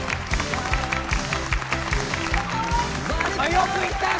よく言ったよ